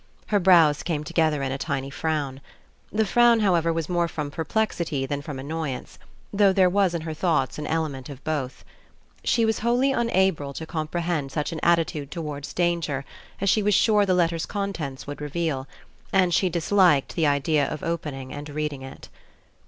Her brows came to gether in a tiny frown. The frown, however, was more from perplexity than from annoy ance; though there was in her thoughts an ele ment of both. She was wholly unable to compre 3 PASSING hend such an attitude towards danger as she was sure the letter's contents would reveal; and she disliked the idea of opening and reading it.